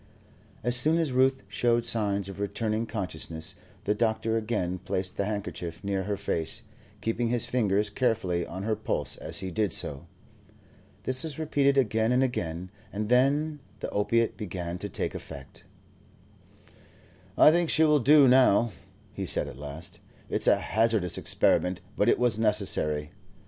As soon as Ruth showed signs of returning consciousness, the doctor again placed the handkerchief near her face, keeping his fingers carefully on her pulse as he did so. This was repeated again and again, and then the opiate began to take effect. "I think she will do now," he said, at last; "it's a hazardous experiment, but it was necessary.